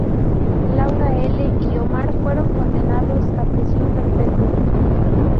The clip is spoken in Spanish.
Laura L. y Omar fueron condenados a prisión perpetua.